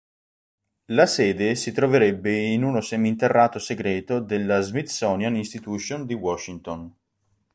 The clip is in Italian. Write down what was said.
La sede si troverebbe in uno seminterrato segreto della Smithsonian Institution di Washington.